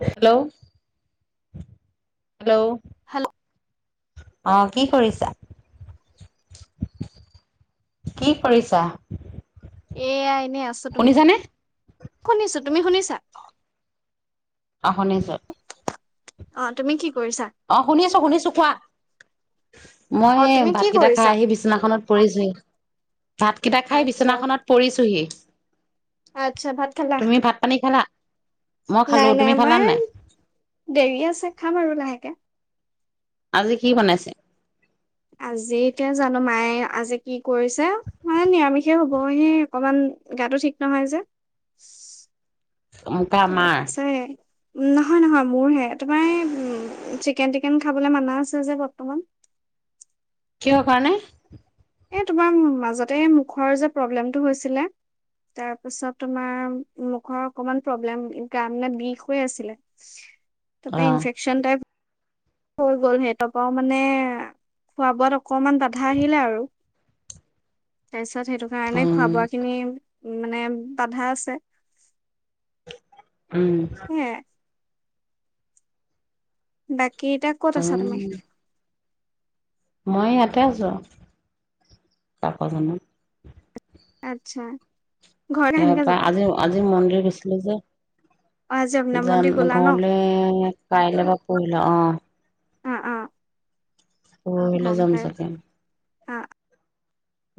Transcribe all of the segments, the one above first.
Hello hello hello অ' কি কৰিছা কি কৰিছা। এয়াই এনে আছো তুমি শুনিছানে? শুনিছো তুমি শুনিছা, আহনে যত, অ তুমি কি কৰিছা অ' শুনি আছো শুনিছো খোৱা। অ মই তুমি কি ভাতকেইটা খাই কৰিছা আহি বিচনাখনত পৰিছোহ, ভাতকেইটা খাই আচ্ছা বিচনাখনত পৰিছোহি। আচ্ছা ভাত খালা তুমি ভাত পানী খালা। মই খালো নাই নাই তুমি খালা আমাৰ নাই দেৰি আছে খাম আৰু লাহেকে, আজি কি বনাইছে, আজিকে জানো মায়ে আজি কি কৰিছে মানে নিৰামিষেই হ'বহি অকমান গাটো ঠিক নহয় যে, কা মাৰ তপছে নহয় নহয় মোৰহে তোমাৰ উ চিকেন টিকেন খাবলৈ মানা আছে যে বৰ্তমান, কিহ কাৰানে এ তোমাৰ মাজতে মুখৰ যে প্ৰব্লেমটো হৈছিলে তাৰপিছত তোমাৰ মুখৰ অকমান প্ৰব্লেম গানানে বিষ হৈ আছিলে, অ তাৰপ ইনফেকশন টাইপ হৈ গ'ল সিহঁতৰ পৰাও মানে খোৱা বোৱাত, অকণমান বাধা আহিলে আৰু তছ তাৰছত সেইটো কাৰণে খোৱা উম বোৱা খিনি, উ মানে বাধা আছে। উম! ! সেয়াই বাক কেইটা ক'ত আছা তুমি? উম মই ইয়াতে আছোঁ আৰু কাকজানত, আচ্ছা, ঘৰলে এ সেনেকে প যাবা আজি আজি মন্দিৰ গৈছিলোঁ যে, অ আজি অগ্নিনাভ জাম মন্দিৰ গ'লা ন ঘৰলে কাইলৈ বা পৰহিলে আহ, অ' অ' পৰোহিলে গম যাম পাই চাকে, অ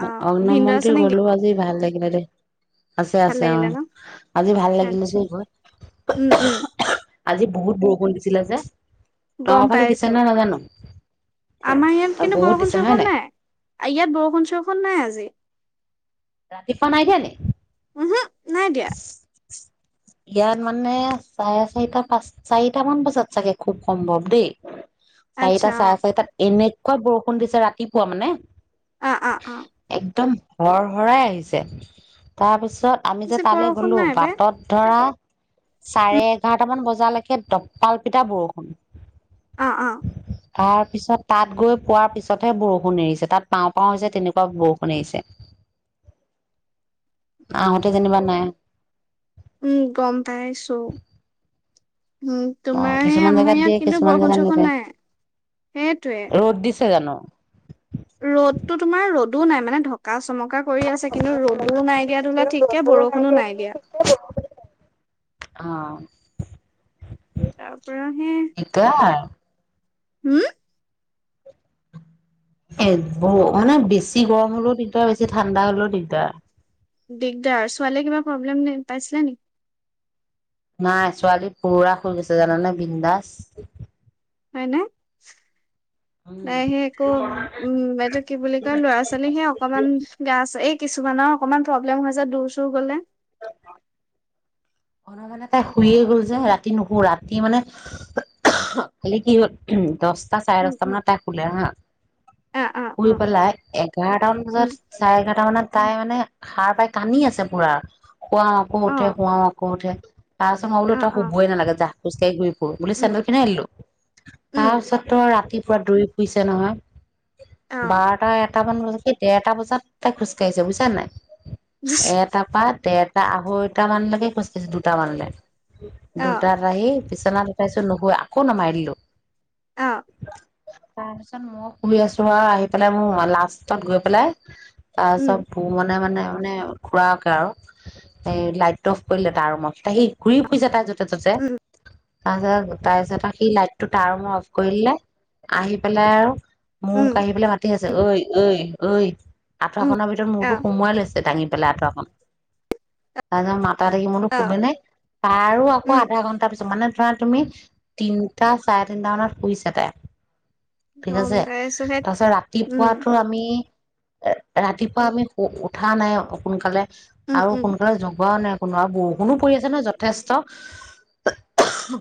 অ অগ্নিনাভ‌ ভিনদেউ আছে মন্দিৰ নেকি গলো আজি ভাল। একে আছে ভাল আছে অ লাগিলে ন আজি ভাল লাগিলে আচ্ছা দেই গৈ, উম উম আজি বহুত বৰষুণ দিছিলে যে, তহঁতৰ গম ফালে দিছে পাইছো নে নাজানো আমাৰ ইয়াত কিন্তু বহুত বৰষুণ দিছে হয় চৰষুণ নাই ইয়াত বৰষুণ চ নাই আজি! ৰাতিপুৱা নাই দিয়ানি উহু নাই দিয়া ইয়াত মানে চাৰে চাৰিটা পাঁচ চাৰিটা মান বজাত চাগে খুব সম্ভৱ দেই, আচ্ছা চাৰিটা চাৰেচাৰিটাট এনেকোৱা, বৰষুণ দিছে ৰাতিপুৱা মানে, অ অ অ অ একদম, ঘ, ভৰাই আহিছে তাৰপিছত, পিছত আমি যে পিছে তালৈ বৰষুণ গ'লো নাই পাই বাটত ধৰা চাৰে এঘাৰটামান বজালৈকে দপালপিতা বৰষুণ অ অ' তাৰ পিছত তাত গৈ পোৱাৰ পিছতহে বৰষুণ এৰিছে তাত পাওঁ পাওঁ হৈছে তেনেকুৱা বৰষুণ এৰিছে, আহহোঁতে যেনিবা নাই, উম গম পাইছো। উ অ তোমাৰ কিছুমান জেগাত আমাৰ দিয়ে ইয়াত কিন্তু কিছুমান বৰষুণ জেগাত চৰষুণ নিদিয়ে নাই সেইটোৱে, যানো ৰ'দতো তোমাৰ ৰ'দো নাই মানে ঢকা, চমকা কৰি আছে কিন্তু ৰ'দোও নাই দিয়া ধৰিলোৱা ঠিককে বৰষুণো নাই দিয়া। আহ! তাৰ পৰা সে, হম! এ ব মানে বেছি গৰম হ'লেও দিগদাৰ বেছি ঠাণ্ডা হ'লেও দিগদাৰ, দিগদাৰ ছোৱালীয়ে কিবা প্ৰব্লেম পাইছিলে নেকি নাই ছোৱালী পুৰৰা শুই গৈছে জানানে বিনন্দাস হয়নে? উম নাইহে একো উম বাইদে কি বুলি কয় ল'ৰা ছোৱালীহে অকমান গা আ এই, কিছুমানৰ অকনমান প্ৰব্লেম হৈ হৈছে, দূৰ চুৰ গ'লে। অ মানে তাই শুইয়ে গ'ল যে ৰাতি নুশো ৰাতি মানে খালি কি হ'ল উ দহটা চাৰে উম দশটা উম মানত তাই শুলে হা অ অ শুই অ পেলাই এঘাৰটান উম বজাত চাৰে এঘাৰ তাৰমানানে তাই মানে সাৰ পাই কান্ি আছে পুৰাৰ খুৱাও আকৌ উঠে খুৱাওক, কৰ উঠে তাৰ পাছত মই বোলো তো শুবই নালাগে জাহ খোজ কঢ়ি ঘূৰি ফুৰো বুলি চেন্দু খিনি আনিলো তাৰ পিছত তোৰ ৰাতি পুৰা দৌৰি ফুৰিইছে নহয়। বটা এক এটাামান বজাত সেই দেৰ এটা বজাত তাই খোজকাঢ়ি বুজছা নাই। এটা পাত তেৰটা আঢ়ৈটা মানলৈকে, দিছ দুটা মানলে দুটাৰ আহি বিচ বিচনা উটাইছো নুহৈ আকৌ নমাৰিলো, অ। তাৰ পিছত মই ফুৰি আছো আৰু আহি পেলাই মোক লাষ্টত গৈ পেলাই তাৰপিছত চব ভ মানে মানে মানে খুৰাকে আৰু এই লাইট, কৰিলে তাৰ ৰুমত সি ঘূৰি ফুৰিছে তাৰ যদি ঠততে। তাৰপিছত তাৰপিছত সি লাইটটো তাৰ মই অফ কৰিলে আহি পেলাই আৰু মোক আঢ়ি পে লাই মাতি আছে ঐ ঐ ঐ কথাৰখনৰ ভিতৰত মূতো সোমাইৈছোঙি, পেলাই আকন তাৰ পিছত তাতি মোৰতো খুবে নে তাৰো আকৌ আধা ঘণ্টা পিছত মানে তুমি তিনিটা চাৰে তিনটা মানত শুইছা চাগে ঠিক আছে। পাইছো সেই তাৰপিছত উম ৰাতিপুৱাতো আমি এ ৰাতিপুৱা আমি উঠা নাই সোনকালে উম আৰু উম সোনকালে জোগোৱাও নাই শুনোৱা বৰষুণো পৰি আছে ন যথেষ্ট।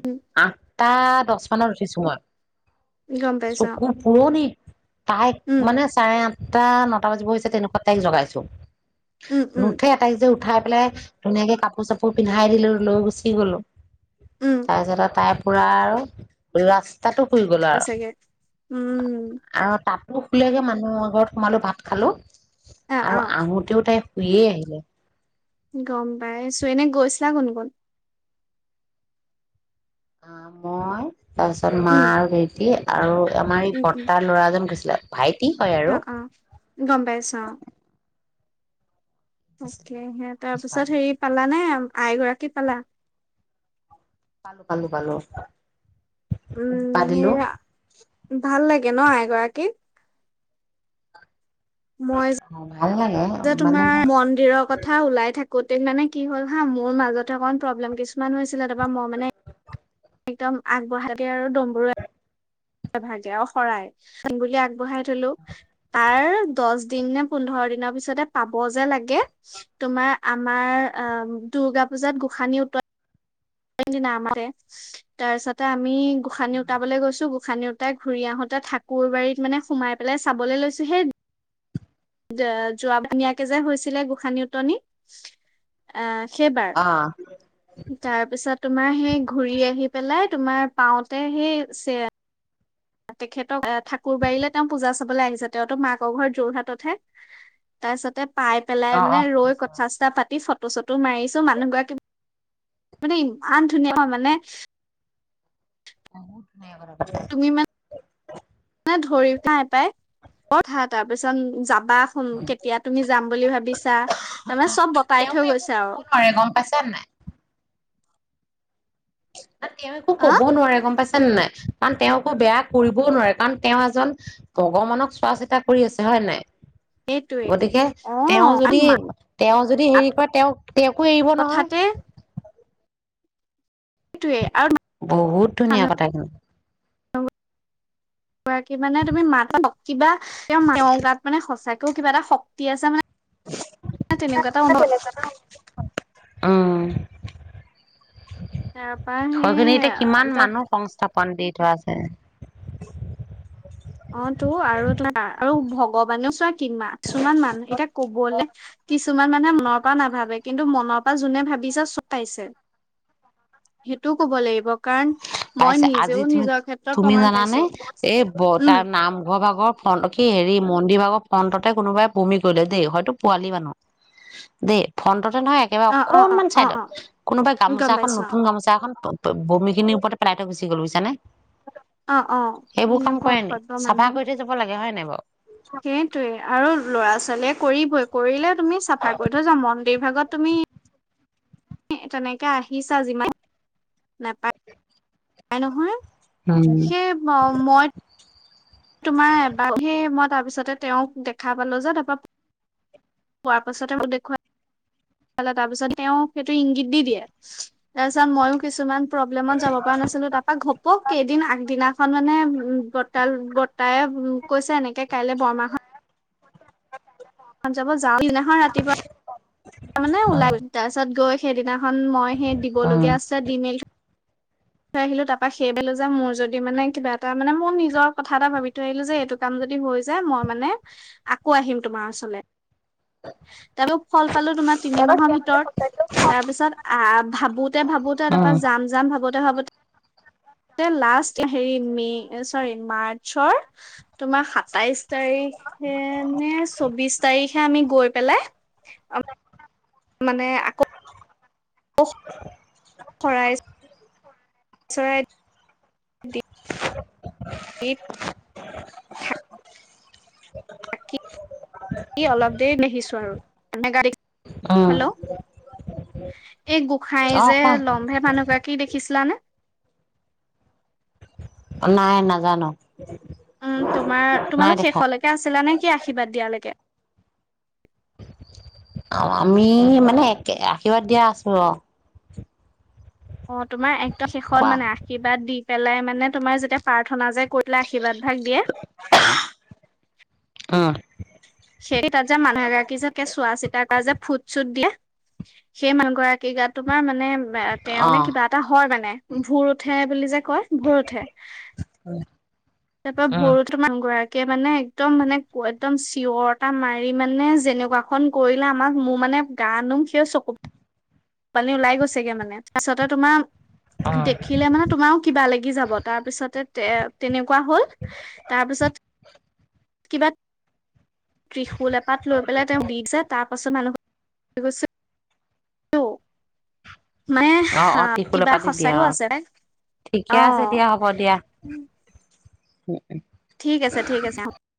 উম আহ! তাত দহ মানত উঠিছো মই গম পাইছো অ চকো [unintelligible] তাইক উম মানে চাৰে টা নটা বাজিব হৈছে তেনেকুৱাত তাইক জগাইছো। উম উম নুঠে তাইক যে উঠাই লে [inaudible] ধুনীয়াকে কাপোৰ চাপোৰ পিন্ধাই দিলো লৈ গুচি গ'লো, উম তাৰ পিছত আউ তাই [inaudible] লাষ্ট তাতো শুই গ'লো আৰু চাগে উম আৰু তাত দু খুলীয়াকে মানুহৰ ঘৰত সোমালো ভাত খালো আ আ আৰু আহোতেও তাই শুইয়ে আহিলে গম পাইছো এনে গৈছিলা কোন কোন? আ মই তাৰপিছত মা উম আৰু ভাইটিয়ে আৰু, আমাৰ এই উম উম বৰ্তাৰ ল'ৰা এজন গৈছিলে ভাইট অ অ, গম পাইছো অ' অকে তাৰ পিছত হেৰি পালানে? আই গৰাকী পালা? পালোঁ পালোঁ উম সেই সা [inaudible] ভাল লাগে ন এগৰাকীক? মই অ', ভাল লাগে যে মানে তোমাৰ মন্দিৰৰ কথা ওলাই থাক গোতে মানে কি হ'ল হা মোৰ মাজতে অকণ প্ৰব্লেম কিছু, মান হৈছিলে ৰ'বা মই মানে একদম আগবঢ়াকে আৰু দমবোৰে ভাগে অ শৰাই বুলি আগবঢ়াই থলো, তাৰ দহ দিন নে পোন্ধৰ দিনৰ পিছতে পাব যে লাগে তোমাৰ আমাৰ আহ দূৰ্গা পুজাত গোসানী উতোৱা না আমতে, তাৰপিছতে আমি গোসানী উটাবলৈ গৈছো গোসানী উঠাই ঘূৰি আহোতে ঠাকুৰ বাৰীত মানে সোমাই পেলাই চাবলৈ লৈছো সেই, যোৱা ধুনীয়াকে যে হৈছিলে গোসানী উটনি, আহ সেই, অ', তাৰপিছত তোমাৰ সেই ঘূৰি আহি পেলাই তোমাৰ পাওঁতে সেই চে তেখেতক আহ ঠাকুৰবাৰীলৈ তেওঁ পূজা চাবলৈ আহিছে তেওঁতো মাকৰ ঘৰ যোৰহাটতহে, তাৰছতে পাই পেলাই অ', মানে অ', ৰৈ কথা চথা পাতি ফটো ফটো চটো মাৰিছো মানুহগৰাকী মানে ইমান ধুনীয়া হয় মানে বহুত [inaudible] কৰা তুমি মা নে [unintelligible] কথা এটা তাৰ পিছত জা [unintelligible] কেতিয়া তুমি যাম বুলি ভাবিছা, তাৰমানে চব বতাই থৈ তেওঁতো একো গৈছে আও। ক'বও নোৱাৰে গম পাইছা নে তেওঁ একো অ ক'বও নোৱাৰে গম পাই [unintelligible] নাই, কাৰণ তেওঁ একো বেয়া কৰিবও নোৱাৰে কাৰণ তেওঁ এজন ভগৱানক চোৱা চিতা কৰি আছে হয়নে নাই? সেইটোৱে গতিকে অ তেওঁ আৰু যদি তেওঁ যদি মাত হেৰি কৰে তেওঁক তেওঁকো এৰিব নহয়। কথাতে সেইটোৱে আৰু বহুত ধুনীয়া মানুহ কথা কিন্তু [unintelligible] ৰাকী মানে তুমি মাত কিবা তেওঁ গাত মানে সঁচাকে কিবা এটা শক্তি আছে মানে তেনেকুৱা এটা অনুভৱ [unintelligible] উম। তাৰপৰা [unintelligible] এতিয়া কিমান সেই তাৰ মানুহ সংস্থাপন দি। [unintelligible] অ' টো আৰু [unintelligible] আৰু ভগৱানেও চোৱা, কি কিছুমান মানুহ এতিয়া ক'বলে কিছুমান মানুহে মনৰ পৰা নাভাবে কিন্তু মনৰ পৰা যোনে ভাবিছে চটাইছে, সেইটোও কব লাগিব। কাৰণ মই পাইছে আজি নিজেও তুমি নিজৰ ক্ষেত্ৰত তুমি প্ৰমণ জানানে পাইছোঁ। এই ব তাৰ নামঘৰ ভাগৰ ফোন [unintelligible] কি হেৰি, মন্দিৰ ভাগৰ ফণ্টত কোনোবাই বমি কৰিলে দেই, হয়তো পোৱালী মানুহ দেই, ফণ্টত নহয়, ওএকেবাৰে অ অ অ অকনমান অ চাইদত অ কোনোবা গম গামোচাখন পাইছো নতুন গামোচা এখন [unintelligible] বমি খিনিৰ ওপৰতে পেলাই থৈ গুচি গ'ল বুজিছাঁ নে? অ অ অ সেইবোৰ কাম এনেকুৱা কৰে নেকি? অসভ্য মানুহ চাফা কৰি থৈ যাব লাগে হয়নে বাৰু? সেইটোৱে আৰু ল'ৰা ছোৱালীয়ে কৰিবই কৰিলে তুমি চাফাই কৰি থৈ যোৱা মন্দিৰ ভাগত তুমি তেনেকে আহিছা যিমান [unintelligible] তাই নহয়। উম সেই ম মই তোমাৰ এবাৰ সেই মই তাৰ পিছতে তেওঁক দেখা পালোঁ যে তাৰ পা পোৱাৰ পাছতে মোক দেখুৱা [unintelligible] তাৰ পিছত তেওঁ সেইটো ইংগিত দি দিয়ে। তাৰ পিছত ময়ো কিছুমান প্ৰব্লেমত যাব পৰা নাছিলোঁ, তাৰ পা ঘপকে এদিন আগদিনাখন মানে বৰ্ত্তা বৰ্ত্তায়ে কৈছে এনেকে কাইলে বৰমাহঁত যাব [unintelligible] খন ৰাতিপুৱা তাৰ মানে ওলাই তাৰ পিছত গৈ। সেইদিনা। খন মই সেই উম দিবলগীয়া আছে দি মেলি থৈ। থৈ আহিলো তাৰপা সেইবেলা যাম মোৰ যদি মানে কিবা এটা মানে মোৰ নিজৰ কথা এটা ভাবি থৈ আহিলো যে এইটো কাম যদি হৈ যায় মই মানে আকৌ আহিম তোমাৰ ওচৰলৈ। তাৰপৰা ফল পালো তোমাৰ তিনি মাহৰ ভিতৰত তাৰ পিছত আহ ভাবোতে ভাবোতে উম তাৰপা যাম যাম ভাবোতে ভাবোতে। লাষ্ট হেৰি মে চৰি মাৰ্চৰ তোমাৰ সাতাইশ তাৰিখে নে চৌবিশ তাৰিখে আমি গৈ। পেলাই। মানে আকৌ। [unintelligible] শৰাই। চৰাই। দি। দি অলপ দেৰি ন আহিছো আৰু গাড় উম হেল্ল'। এই গোঁসাই অ যে কোৱা লম্ভে মানুহগৰাকী দেখিছিলা নে। নাই নাজানো। উম তোমাৰ নাই তোমালোক দেখা শেষলৈকে আছিলা নে। কি আশীৰ্বাদ দিয়ালৈকে। আমি মানে একে আশীৰ্বাদ দিয়া আছো অ। অ' তোমাৰ এক। শেষত কোৱা মানে আশীৰ্বাদ দি। পেলাই মানে তোমাৰ যেতিয়া প্ৰাৰ্থনা যে কৰিলে আশীৰ্বাদ ভাগ দিয়ে। উম সেই তাত যে মানুহ এ গৰাকী যে চোৱা চিতা কৰা যে ফুট চুট দিয়া সেই মানুহ গৰাকী গাত তোমাৰ মানে। অ তেওঁনে কিবা এটা হয় মানে। ভোৰ উঠে বুলি যে কয় ভোৰ উঠে। তাৰ উম পৰাৰ [unintelligible] গৰাকীয়ে মানে একদম মানে একদম চিঞৰ এটা মাৰি মানে যেনেকুৱাখনন কৰিলে আমাক মোৰ মানে গা নুম সেই চকু পানী ওলাই গৈছেগে মানে তাৰপিছতে তোমাৰ উম দেখিলে মানে তোমাৰও কিবা লাগি যাব তাৰপিছতে এ তেনেকুৱা। কোৱা হ'ল তাৰপিছত। কিবা। ত্ৰিশূুল এপাত লৈ পেলাই তেওঁ দি যায় তাৰ পাছত মানুহ গৈ। মানে হা অ-অ ত্ৰিশূল কিবা পাতি দিয়া সঁচাইও অ আছে অ ঠিকে আছে দিয়া হ'ব দিয়া। ঠিক আছে ঠিক আছে অ।